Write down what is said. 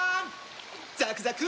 ザクザク！